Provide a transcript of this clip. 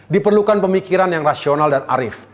diperlukan pemikiran yang rasional dan arif